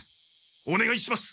おねがいします！